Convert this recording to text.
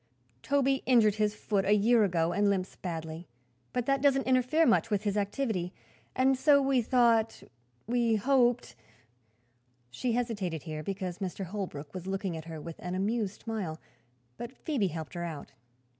Toby injured his foot a year ago and limps badly, but that doesn't interfere much with his activity, and so we thought we hoped " She hesitated, here, because Mr. Holbrook was looking at her with an amused smile. But Phoebe helped her out.